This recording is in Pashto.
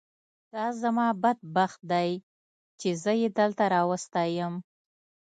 دا زما بد بخت دی چې زه یې دلته راوستی یم.